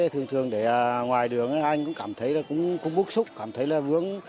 thường thường để ngoài đường anh cũng cảm thấy là cũng bức xúc cảm thấy là vướng